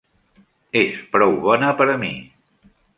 És prou bona per a mi!